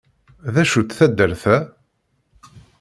D acu-tt taddart-a?